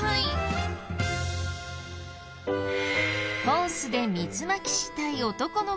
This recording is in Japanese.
ホースで水まきしたい男の子。